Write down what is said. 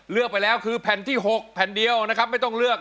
เลือกไปแล้วคือแผ่นที่๖แผ่นเดียวนะครับไม่ต้องเลือก